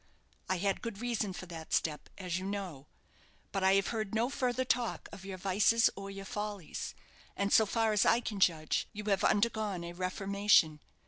I had good reason for that step, as you know; but I have heard no further talk of your vices or your follies; and, so far as I can judge, you have undergone a reformation.